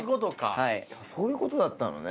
そういうことだったのね。